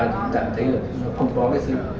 chúng ta thấy là không có cái sự